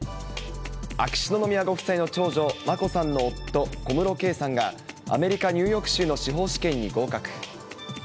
秋篠宮ご夫妻の長女、眞子さんの夫、小室圭さんが、アメリカ・ニューヨーク州の司法試験に合格。